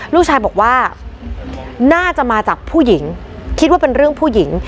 ลูกชายบอกว่าน่าจะมาจากผู้หญิงคิดว่าเป็นเรื่องผู้หญิง